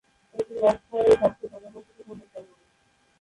এটি ল্যাঙ্কাশায়ারের সবচেয়ে ঘনবসতিপূর্ণ শহর।